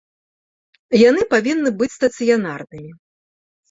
Яны павінны быць стацыянарнымі.